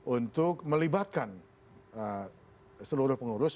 untuk melibatkan seluruh pengurus